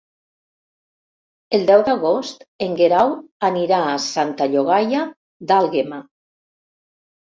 El deu d'agost en Guerau anirà a Santa Llogaia d'Àlguema.